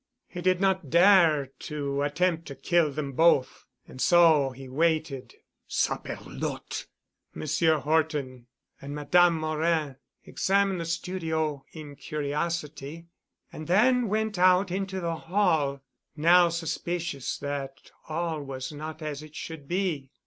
He did not dare to attempt to kill them both. And so he waited." "Saperlotte!" "Monsieur Horton and Madame Morin examined the studio in curiosity and then went out into the hall, now suspicious that all was not as it should be.